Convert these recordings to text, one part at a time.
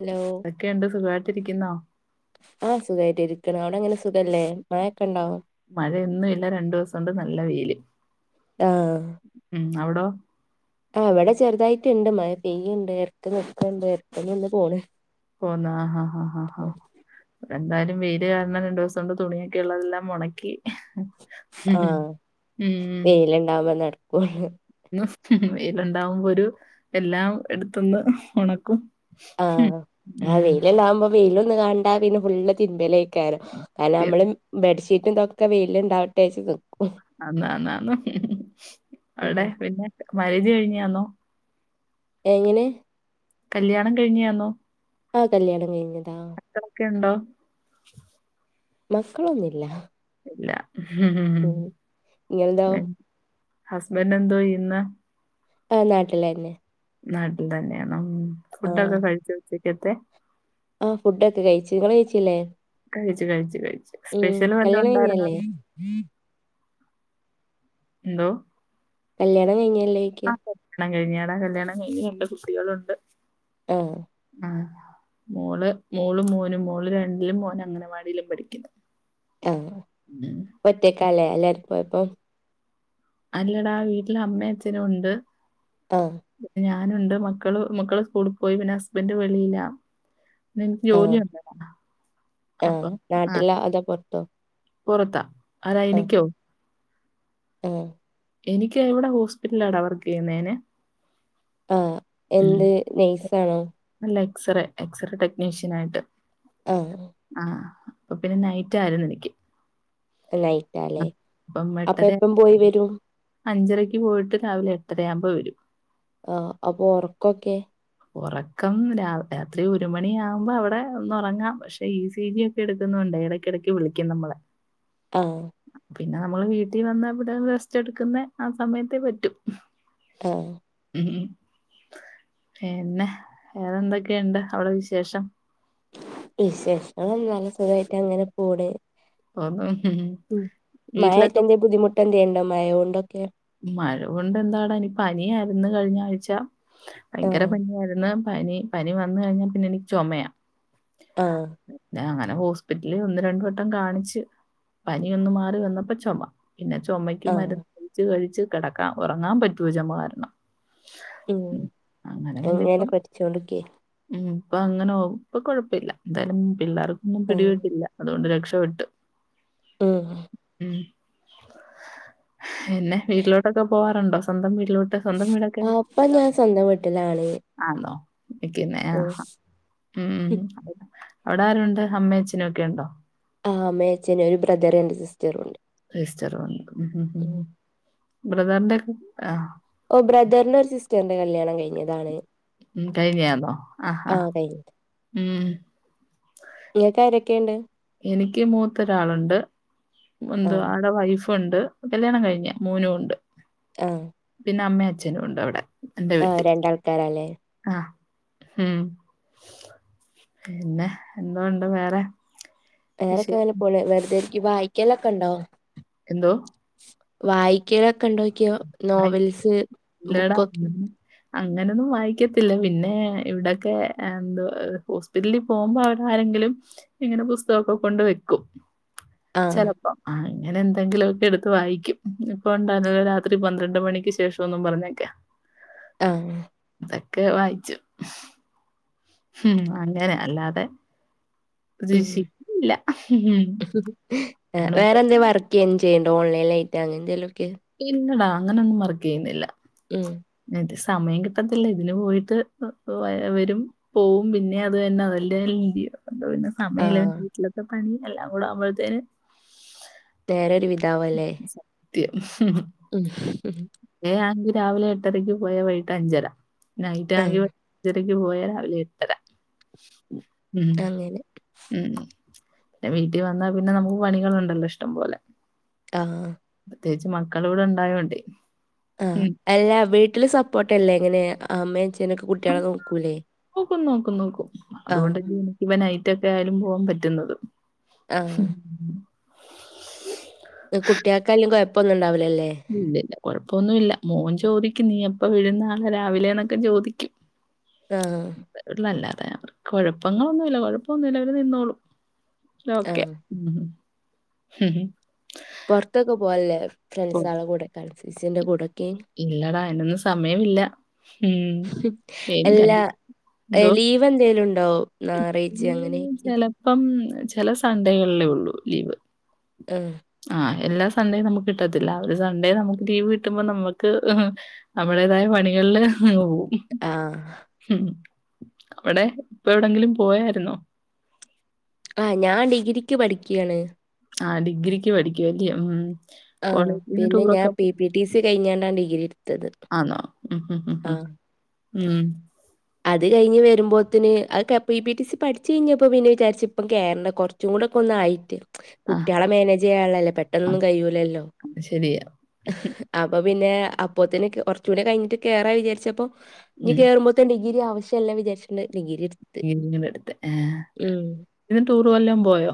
Hello അതൊക്കെയുണ്ട് സുഖമായിട്ടിരിക്കുന്നോ?. ആഹ് സുഖമായിട്ട് ഇരിക്കണ അവിടെ അങ്ങനെ സുഖല്ലേ മായയൊക്കെ ഉണ്ടോ മഴയൊന്നും ഇല്ല രണ്ടു ദിവസം കൊണ്ട് നല്ല വെയില്. ആഹ് ഉം അവിടോ? ആഹ് ഇവിടെ ചെറുതായിട്ടുണ്ട് മഴ പെയ്യുണ്ട് ഇറക്ക നിക്കുണ്ട് ഇറക്ക ഒന്ന് പോണ് പോന്ന ആഹ് ആഹ് എന്തായാലും വെയില് കാരണം രണ്ടു ദിവസം കൊണ്ട് തുണിയൊക്കെ ഉള്ളതെല്ലാം ഒണക്കി ആഹ് വെയിലുണ്ടാവുമ്പോ നടക്കുവാണ്. വെയിലുണ്ടാവുമ്പോ ഒരു എല്ലാം എടുത്തുന്ന് ഉണക്കും. ആഹ് ആഹ് ഉം വെയിലല്ല ആകുമ്പോ വെയില ഒന്ന് കണ്ടാ പിന്നെ ഫുള് തിന്മലക്കരുന്നു കാരണം സത്യം നമ്മള് ബെഡ്ഷീറ്റുംതൊക്കെ വെയിലുണ്ടാവട്ടെച്ച. അന്നാന്നന്ന അവിടെ ഉം. പിന്നെ മാര്യേജ് കഴിഞ്ഞാന്നോ? എങ്ങനെ? കല്യാണം കഴിഞ്ഞയാന്നോ? ആഹ് കല്യാണം കഴിഞ്ഞതാ ഇക്കെ ഉണ്ടോ? മക്കളൊന്നില്ല. ഇല്ല ഉം ഇങ്ങളതോ ഉം ഹസ്ബൻറ് എന്തോ ചെയ്യുന്നേ ആഹ്‌ നാട്ടിലന്നെ നാട്ടിൽ തന്നെയാണേ ആഹ് ഫുഡൊക്കെ കഴിച്ചു ഉച്ചേക്കത്തെ ആ ഫുഡൊക്കെ കഴിച്ച് ഇങ്ങൾ കിച്ചല്ലേ കഴിച്ചു കഴിച്ചു കഴിച്ചു ഉം സ്പെഷ്യൽ വല്ലോം കല്യാണം ഉണ്ടായിരുന്നോ? കഴിഞ്ഞല്ലേ എന്തോ കല്യാണം കഴിഞ്ഞിലേ ആഹ കല്യാണം കഴിഞ്ഞടാ കല്യാണം കഴിഞ്ഞ് രണ്ട് കുട്ടികളുണ്ട് ആഹ ആഹ മോള് മോളും മോനും മോള് രണ്ടിലും മോന് അംഗനവാടിയിലും പഠിക്കുന്നു ആഹ ഉം. ഒറ്റേക്കാലെ അല്ലരും പോയപ്പം അല്ലടാ ആ വീട്ടില് അമ്മേ അച്ഛനും ഉണ്ട് ആഹ ഞാനുണ്ട് മക്കള് മക്കള് സ്കൂളിൽ പോയി പിന്നെ ഹസ്ബൻഡ് വെളിയില്ല പിന്നെ എനിക്ക് ജോലി ആഹ് ഉണ്ട് എടാ ആഹ് അപ്പൊ ആഹ നാട്ടിലോ അതോ പൊറത്തോ പുറത്താ ആരാ ആഹ് എനിക്കോ ആഹ് എനിക്ക് ഇവിടെ ഹോസ്പിറ്റലടാ വർക്ക് ചെയ്യുന്നേനെ ആഹ എന്ത് നൈസ ആണോ അല്ല എക്സറേ എക്സറേ ടെക്നീഷ്യൻ ആയിട്ട് ആഹ ആഹ അപ്പൊ പിന്നെ നൈറ്റ് ആരുന്നു എനിക്ക് ആ, നൈറ്റ്ല്ലേ അപ്പം അപ്പൊ എട്ടര എപ്പം പോയി വരും അഞ്ചരക്ക് പോയിട്ട് രാവിലെ എട്ടരയാവുമ്പോൾ വരും ആഹ അപ്പൊ ഒർക്കൊക്കെ ഒറക്കം രാത്രി ഒരു മണിയാകുമ്പോ അവിടെ ഒന്ന് ഒറങ്ങാം പക്ഷെ ഈ സീജി എടുക്കുന്നേണ്ട് ഇടക്കിടക്ക് വിളിക്കും നമ്മളെ ആഹ പിന്നെ നമ്മള് വീട്ടിൽ വന്ന് ഇവിടെ റെസ്റ്റ് എടുക്കുന്ന ആ സമയത്തെ പറ്റും ആഹ ഉം ഉം പിന്നെ ഏറെന്തൊക്കെയുണ്ട് അവവിടെ വിശേഷം വിശേഷം പറഞ്ഞാല് സുഖമായിട്ട് അങ്ങനെ പോണ് തോന്നും ഉം മഴ ആയിട്ട് വീട്ടിലൊക്കെ എന്തേ ബുദ്ധിമുട്ട് ഉണ്ടോ മഴേണ്ട്ക്കെ മഴേണ്ട് എന്താട ഇനിക്ക് പനി അയിരുന്ന് കഴിഞ്ഞ ആഴ്ച ഭയങ്കര ആഹ് പനിയായിരുന്നു പനി പനി വന്ന് കഴിഞ്ഞാൽ പിന്നെ എനിക്ക് ചുമയ ആഹ പിന്നെ അങ്ങനെ ഹോസ്പിറ്റലിൽ ഒന്ന് രണ്ട് വട്ടം കാണിച്ച് പനിയൊന്ന് മാറി വന്നപ്പോ ചുമ പിന്നെ ചേമയ്ക്ക് ആഹ് മരുന്ന് കഴിച്ച് കഴിച്ച് കിടക്കാൻ ഉറങ്ങാൻ പറ്റുല ചേമ്മ കാരണം ഉം അങ്ങനെ അങ്ങനെ ഇപ്പം ഉം ഇപ്പം അങ്ങനെ ഇപ്പൊ കൊഴപ്പല്ല എന്തായാലും പിള്ളേർക്കൊന്നും ഉം പിടികപെട്ടില്ല അതുകൊണ്ട് രക്ഷപ്പെെട്ട് ഉം ഉം പിന്നെ വീട്ടിലോട്ടൊക്കെ പോവാറുണ്ടോ സ്വന്തം വീട്ടിലോട്ട് സ്വന്തം വീടൊക്കെ അപ്പൊ ഞാൻ സ്വന്തം വീട്ടിലാണ് ആണോ നിക്കുന്നേ ഓ ആഹ ഉം ഉം അവിടെ ആരുണ്ട് അമ്മേ അച്ചഛനും ഒക്കെ ഉണ്ടോ ആഹ അമ്മേ അച്ചനു ഒരു ബ്രദറ് രണ്ട് സിസ്റ്ററും ഇണ്ട് സിസ്റ്ററും ഉണ്ട് ഉം ഉം ഉം ബ്രദാറിന്റെക്കെ ആഹ ഓ ബ്രദറിന്റെ ഒരു സിസ്റ്ററിന്റെ കല്യാണം കഴിഞ്ഞതാണ് ഉ കഴിഞ്ഞതോ ആ ആ ഉ ഇങ്ങക്ക് ആരെക്കെ ഇണ്ട് എനിക്ക് മൂത്തൊരാളുണ്ട് ആ എന്ത് ആടെ വൈഫുണ്ട് കല്യാണം കഴിഞ്ഞ് മോനും ഉണ്ട് ആഹ് പിന്നെ അമ്മേ അച്നും ഉണ്ട് അവിടെ എന്റെ ആഹ് വീട്ടി. രണ്ടാൾക്കാരല്ലേ ആഹ് ഉം പിന്നെ എന്തൊണ്ട് വേറെ വിശേ വേറെക്കെ ഇങ്ങനെ പോണ് വെറുതെരിക്കും വായിക്കലൊക്കെ ഉണ്ടോ എന്തോ വായിക്കലൊക്കെ ഉണ്ടോക്കിയോ ആയി നോവൽസ് ഇല്ലടാ. ബുക്കൊക്കെ അങ്ങനെ- അങ്ങനൊന്നും വായിക്കത്തില്ല പിന്നെ ഇവിടെക്കെ എന്തെ പു പിള്ളി പോകുമ്പോ അവര ആരെങ്കിലും ഇങ്ങനെ പുസ്തകമൊക്കെ കൊണ്ട് വെക്കും ആ ചെലപ്പം ആ ഇങ്ങനെ എന്തെങ്കിലുമ ഒക്കെ എടുത്ത് വായിക്കും ഇപ്പണ്ട [unintelligible] ഒരു പന്ത്രണ്ട് മണിക്ക് ശേഷം ഒന്നും പറഞ്ഞേക്കാ ആഹ് അതൊക്കെ വായിച്ചു ഉം അങ്ങനെ അല്ലാതെ ഉം പ്രതീക്ഷിക്കില്ല വേറെ എന്ത വർക്ക് ചെയ്യണ്ടോ ഓൺലൈനായിട്ട് അങ്ങനെന്തെലുക്കെ ഇല്ലടാ അങ്ങനൊന്നും വർക്ക് ചെയ്യുന്നില്ല ഉം അത് സമയം കിട്ടത്തില്ല ഇതിന് പോയിട്ട് വര വരും പോവും പിന്നെ അത് തന്നെ അതല്ല [unintelligible] [unintelligible] പിന്നെ ആ സമയില്ല വീട്ടിലത്തെ പണി എല്ലാം കൂടെ ആവുമ്പോഴത്തേന് നേരം ഒരു വിതാവല്ലേ സത്യം ഉം ഏഹ് ആണെങ്കി രാവിലെ എട്ടരക്ക് പോയാ വൈകിട്ട് അഞ്ചര നൈറ്റ് ആ ആണങ്കി അഞ്ചരയ്ക്ക് പോയ രാവിലെ എട്ടരാ ഉം അങ്ങനെ ഉം വീട്ടിൽ വന്നാ പിന്നെ നമുക്ക് പണികളുണ്ടല്ലോ ഇഷ്ട്ടം പോലെ ആഹ് പ്രത്യേകിച്ച് മക്കള് ഇവിടെ ഉണ്ടായോണ്ടേ ആഹ് അല്ല വീട്ടില് സപ്പോർട്ട് അല്ലേ ഇങ്ങനെ അമ്മയും അച്ചനൊക്കെ കുട്ടികളെ നോക്കൂല്ലേ നോക്കും നോക്കും നോക്കും അതുകൊണ്ടല്ല എനിക്ക് ഇവ നൈറ്റ ഒക്കെ ആയാലും പോവാൻ പറ്റുന്നത് ഉം ആഹ്. കുട്ടികൾക്കും കുഴപ്പൊന്നും ഉണ്ടാവില്ലല്ലേ ഇല്ലില്ല കൊഴപ്പൊന്നുമില്ല മോൻ ചോദിക്കും നീ എപ്പ വരും നാളെ രാവിലെന്നൊക്കെ ചോദിക്കും [inaudible] ആഹ് ല്ലാതെ അവർക്ക് കൊഴപ്പങ്ങളൊന്നുല്ല കൊഴപ്പൊന്നുമല്ല അവര് നിന്നോളും അല്ല ഓക്കെ ആഹ്. ഉം പുറത്തൊക്കെ പോല്ല ഫ്രണ്ട്സാളുടെ കൂടെ കൺഫ്യൂസിന്റെ കൂടെ ഇല്ലടാ അയിനൊന്നും സമയമില്ല ഉം [unintelligible] എന്തോ ഇപ്പം എന്തോലും ഉണ്ടോ ഞായറാഴ്ച അങ്ങനെയൊക്കെ? ചെലപ്പം ചില സണ്ടകളിലേ ഒള്ളൂ ലീവ് ആഹ് ആഹ് എല്ലാ സൺഡേയും നമുക്ക് കിട്ടത്തില്ല ഒരു സൺഡേ നമുക്ക് ലീവ് കിട്ടുമ്പോ നമുക്ക് ഹ് നമ്മടേതായ പണികളില് ഓ ആഹ്. ഉം അവിടെ ഇപ്പ എവിടെങ്കിലും പോയായിരുന്നോ ആ ഞാൻ ഡിഗ്രിക്ക് പഠിക്കാണ് ആഹ ഡിഗ്രിക്ക് പഠിക്കല്ലോ ഉം ആഹ കോളേജിന്ന് പിന്നെ ഞാൻ ടൂറൊക്കെ പോ പി പി ടി സി കഴിഞ്ഞാണണ്ടാ ഡിഗ്രി ഇടുത്തത് ആന്നോ? ഉം ഉം ഉം അത് കഴിഞ്ഞ് വരുമ്പോഴത്തിന് അകെപ്പ പി പി ടി സി പഠിച്ചച്ച് കഴിഞ്ഞപ്പോ പിന്നെ വിചാരിച്ച് ഇപ്പം കേരള കൊറ ചൂടൊക്കൊന്നായിട്ട് ആഹ് കുട്ടികളെ മാനേജ് ചെയ്യാനുള്ളല്ലേ ആഹ് പെട്ടെന്നൊന്നും കഴൂലല്ലോ അത് ശെരിയാ. അപ്പൊ പിന്നെ അപ്പത്തന്നെ കുറച്ചുകൂടി കഴിഞ്ഞിട്ട് കേയറാ വിചാരിച്ചപ്പോ ഇനി ഉം. കേറുമ്പോ പ്പം ഡിഗ്രി ആവശ്യല്ല വിചാരിച്ചിണ്ട് ഡിഗ്രിത്ത് ഇങ്ങനെ അടുത്ത് ഏഹ് ടൂറ് വല്ലോം പോയോ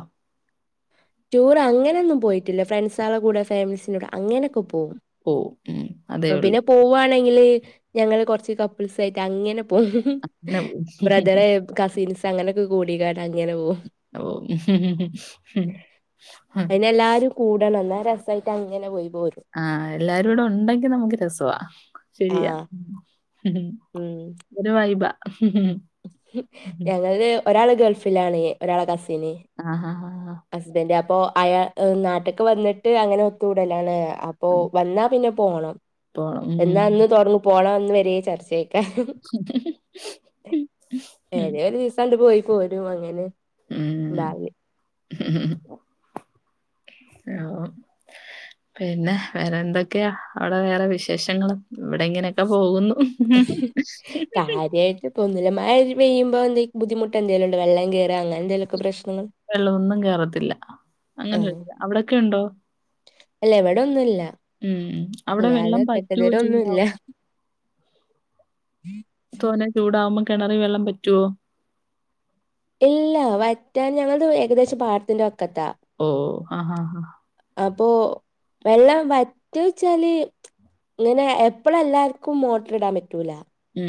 ടൂർ അങ്ങനൊന്നും പോയിട്ടില്ല ഫ്രണ്ട്സാളെ കൂടെ ഫാമീസിന്റെ കൂടെ അങ്ങനെയൊക്കെ പോവും ഓ ഉം അതേള്ളൂ പോവുവാണെങ്കിൽ ഞങ്ങള് കുറച്ച് കപ്പിൾസ് ആയിട്ട് അങ്ങനെ പോവും പിന്നെ പോവും. ബ്രദറ് കസിൻസ് അങ്ങനെയൊക്കെ കൂടിക്കാട് അങ്ങനെ പോവും ഓ [unintelligible] അയിനെല്ലാവരും കൂടണം എന്നാ രസായിട്ട് അങ്ങനെ പോയി പോരും ആഹ എല്ലാരുടെണ്ടെങ്കിൽ നമുക്ക് രസവാ ശരിയാ ആഹ് ഉം ഒരു വൈബാ ഞങ്ങള് ഒരാള് ഗൾഫിലാണ് ഒരാളെ കസിന് ആ ആ ആ ആ ഹസ്ബൻഡ് അപ്പൊ അയാ നാട്ടക്ക്‌ വന്നിട്ട് അങ്ങനെ ഒത്തുകൂടലാണ് അപ്പോ വന്നാ പിന്നെ പോണം പോണം. വന്ന അന്ന് ഉം. തൊടങ്ങും പോണംന്ന് വര ചർച്ചയ്ക്കാരം [unintelligible] ഉം. ഏതെങ്കിലും ഒരു ദിവസം ആണ്ട് പോയി പോരും അങ്ങനെ ഇണ്ടാവല് [unintelligible] [unintelligible] പിന്നെ വേറെ എന്തൊക്കെയാ അവിടെ വേറെ വിശേഷങ്ങള് ഇവിടെ ഇങ്ങനെയൊക്കെ പോകുന്നു [unintelligible] പ്പ ഒന്നുല്ല മഴ പെയ്യുമ്പൊ ബുദ്ധിമുട്ട് എന്തെലും ഉണ്ട വെള്ളം കേറ അങ്ങനെ എന്തെലൊക്കെ പ്രശ്നങ്ങൾ വെള്ളമൊന്നും കേറത്തില്ല ആഹ് അങ്ങനെയില്ല അവിടൊക്കെ ഉണ്ടോ അല്ല ഇവടെ ഒന്നുല്ല ഉം അവിടെ വെള്ളം ഇല്ലാതെ വറ്റുവോ ഇതുവരെ ഒന്നുല്ല ചൂടാവു തോന്നെ ചൂടാവുമ്പൊ കിണറി വെള്ളം വറ്റുവോ ഇല്ല വറ്റാൻ ഞങ്ങള്ത് ഏകദേശം പാടത്തിന്റെ വക്കത്താ ഓ ആഹ് അഹ് അപ്പൊ വെള്ളം വറ്റൊയ്ച്ചാല് ഇങ്ങനെ എപ്പളും എല്ലാര്ക്കും മോട്ടർ ഇടാൻ പറ്റൂല ഉം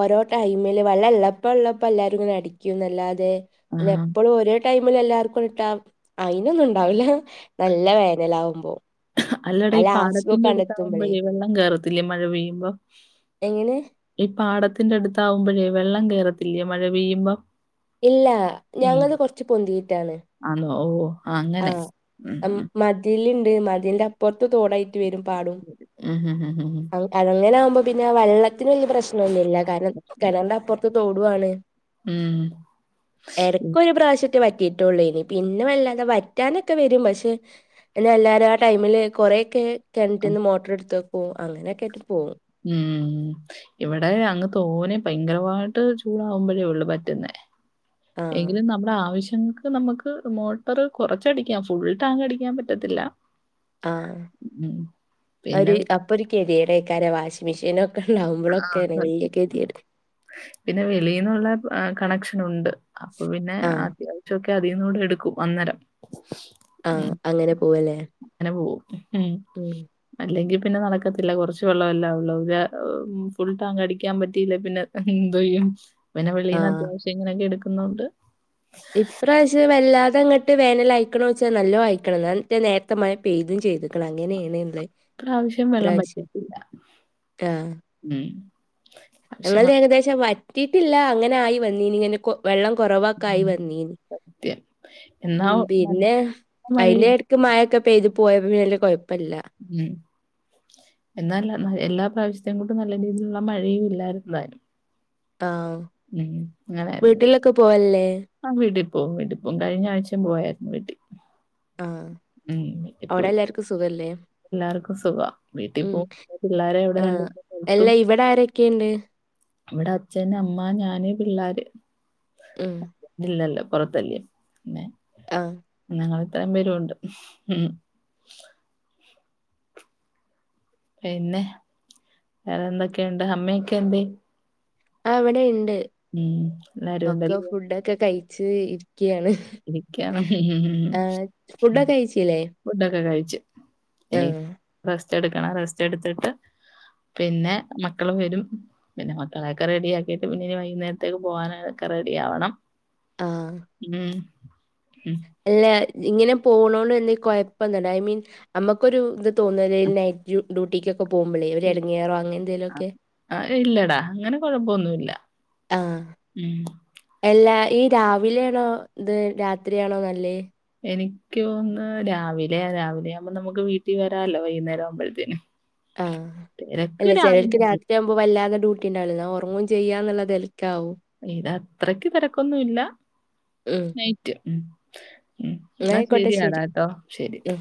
ഓരോ ടൈമില് വള്ളം ഇള്ളപ്പോ ഇള്ളപ്പോ എല്ലാരും ഇങ്ങനെ അടിക്കും ന്നല്ലാതെ ഇങ്ങനെ ആഹ് എപ്പോഴും ഓരോ ടൈമിൽ എല്ലാവർക്കും ഇട്ടാ അയിനൊന്നും ഉണ്ടാവില്ല നല്ല വേനലാകുമ്പോ അല്ലടി ഈ പാടത്തിന്റെ അടുത്ത് എത്തുമ്പളേ ആകുമ്പോഴേ വെള്ളം കേറത്തില്ലേ മഴ പെയ്യുമ്പോ എങ്ങനെ ഈ പാടത്തിന്റെ അടുത്ത് ആകുമ്പോഴേ വെള്ളം കേറത്തില്ലേ മഴ പെയ്യുമ്പം ഇല്ല ഞങ്ങള്ത് കുറച്ച് പൊന്തിയിട്ടാണ് ആന്നൊ ഓ ആ അങ്ങനെ ഉം മ് മതിലിണ്ട് മതിലിന്റെ അപ്പുറത്ത് തോടായിട്ട് വരും പാടും ഉം ഉം ഉം ഉം അങ്ങനെ ആകുമ്പോ പിന്നെ വള്ളത്തിന് വല്ല്യ പ്രശ്നം ഒന്നുല്ല കാരണം കിണറിന്റെ അപ്പുറത്ത് തോടും ആണ് ഉം ഉം എടക്ക് ഒരു പ്രാവശ്യറ്റെ വറ്റിട്ടൊള്ളെയ്നി പിന്നെ വല്ലാതെ വ വറ്റാനൊക്കെ വരും പക്ഷെ പിന്നെ എല്ലാരും ആ ടൈമില് കൊറെ ഒക്കെ ക്കും കെൻറ്റ്ന്ന് മോട്ടർ ഇടുത്ത് വെ ഓ അങ്ങനെയൊക്കെ ആയിട്ട് പോവും ഉം ഇവിടെ അങ്ങ് തോനെ ഭയങ്കരമായിട്ട് ചൂടാവുമ്പോഴേ ഒള്ളൂ വറ്റുന്നേ ആഹ് എങ്കിലും നമ്മുടെ ആവശ്യങ്ങൾക്ക്‌ നമുക്ക് മോട്ടറ് കുറച്ച് അടിക്കാം ഫുൾ ടാങ്ക് അടിക്കാൻ പറ്റത്തില്ല ആ ഉം പിന്നെ അപ്പൊ ഒരു കെതെയ്ട് അയ്കാരം വാഷിംങ്ങ് മെഷീനും ആ അപ്പൊളൊക്കെ ആണ് വല്ല്യ സത്യം. കെതേയ്ട് പിന്നെ വെളിന്നുള്ള കണക്ഷൻ ഉണ്ട് അപ്പൊ പിന്നെ ആഹ് ച്ചൊ ഒക്കെ അതീന്നൂടെ എടുക്കും അന്നേരം ആ ഉം അങ്ങനെ പോവല്ലേ അങ്ങനെ പോവും ഉം അല്ലെങ്കിൽ പിന്നെ നടക്കത്തില്ല കുറച്ച് വെള്ളമല്ലാ ഒള്ളൂ ഫുൾ ട്ടാങ്ക്‌ അടിക്കാൻ പറ്റിയില്ലേ പിന്നെ എന്തെയ്യും പിന്നെ വെളീന്ന് ആഹ് അത്യാവശ്യം ഇങ്ങനെയൊക്കെ എടുക്കുന്നോണ്ട് ഇപ്രാവശ്യം വല്ലാതെ അങ്ങോട്ട് വേനൽ അയക്ണോന്ന് ചോയ്ച്ചാൽ നല്ലോം അയ്ക്ണ് എന്നാ നേര്തെ മഴ പെയ്തും ചെയ്ത്ക്ണ് അങ്ങനെ ഏണ് ഇള്ളത് ഇപ്രാവശ്യം വെള്ളം വറ്റിട്ടില്ല ഉം ആവശ്യം ഞങ്ങള്ത് വ- ഏകദേശം വറ്റിയിട്ടില്ല അങ്ങനെ ആയി വന്നിനി ഇങ്ങനെ കൊ വെള്ളം കുറവൊക്കായി ഉം. വന്നീനി സത്യം എന്നാ ഉം നല്ല പിന്നെ മഴയും അയ്ന്റെട് ഇപ്പൊ മഴ ഒക്കെ പെയ്തു പോയപ്പം പിന്നെ വല്ല്യ കൊഴപ്പല്ല ഉം എന്നാൽ എല്ലാ പ്രാവശ്യത്തെ കൊണ്ടും നല്ല രീതിയിലുള്ള മഴയും ഇല്ലായിരുന്നു താനും ആഹ് അങ്ങനായിരുന്നു വീട്ടിലൊക്കെ പോവാൽലെ ആ വീട്ടി പോവും വീട്ടി പോവും കഴിഞ്ഞ ആഴ്ചയും പോയായിരുന്നു വീട്ടിൽ ആഹ് അവിടെ എല്ലാർക്കും സുഖല്ലേ എല്ലാർക്കും സുഖം വീട്ടിൽ ഉം പോ പിള്ളേരെ ഉവിടെ ആഹ് രണ്ടീസം അല്ല നിർത്തും ഇവിടെ ആരൊക്കെയുണ്ട് ഇവിടെ അച്ഛന്, അമ്മ, ഞാന് പിള്ളേര് ഉം ഇല്ലല്ല പുറത്തല്ലേ പിന്നെ ആഹ് ഞങ്ങൾ ഇത്രയും പേരു ഉണ്ട് ഉം പിന്നെ വേറെ എന്തൊക്കെയുണ്ട് അമ്മയൊക്കെ എന്തേ ആഹ് ഇവിടെ ഇണ്ട് ഉം എല്ലാരും ഒക്കെ ഉണ്ടല്ലേ ഫുഡ ഒക്കെ കഴച്ച് ഇരികയാണ് ഇരിക്കാണ് ഹും ഹും ഹും ഫുഡൊക്കെ കഴിച്ചില്ലേ ഫുഡൊക്കെ കഴിച്ച് ഇനി ആഹ് റസ്റ്റ് എടുക്കണം റസ്റ്റ് എടുത്തിട്ട് പിന്നെ മക്കളും വരും പിന്നെ മക്കളെൊക്കെ റെഡി ആക്കിയിട്ട് പിന്നെ ഇനി വൈകുന്നേരത്തേക്ക് പോകാനൊക്കെ റെഡി ആവണം ആഹ് ഉം ഉം അല്ല ഇങ്ങനെ പോണ എ കൊഴപ്പന്ന ഐ മീൻ നമ്മുക്കൊരു ഇത് തോന്നലൽ നൈറ്റ് ഡ്യൂട്ടിക്ക് ഒക്കെ പോകുമ്പളേ ഒര് ഇടങ്ങേറോ അങ്ങനെ എന്തേലും ഒക്കെ ആഹ് ഇല്ലടാ അങ്ങനെ കൊഴപ്പൊന്നുല്ല ആഹ് ഉം എല്ലാ ഈ രാവിലെയാണോ ഇത് രാത്രിയാണോ നല്ലേ എനിക്ക് ഒന്ന് രാവിലെയാ രാവിലെ ആകുമ്പോൾ നമുക്ക് വീട്ടിൽ വരാല്ലോ വൈകുന്നേരം ആവുമ്പോഴത്തേന് ആഹ് തിരക്ക് അല്ല രാവിലെ ചിലർക്ക് രാത് വുമ്പോ വല്ലാതെ ഡ്യൂട്ടി ഉണ്ടാവൂല ല്ലോ ഉറങ്ങും ചെയ്യാന്നുള്ള തെൽക്കാവും ഇത് അത്രക്ക് തരക്കൊന്നും ഇല്ല ഉം നൈറ്റ്‌ ന്നാ എന്നാ ആയിക്കോട്ടെ ശരി. ശെരിയാടാട്ടോ ശരി ഉം